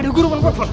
ada guru bangun